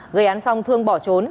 gây án xong thương bỏ trốn